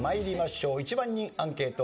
１万人アンケート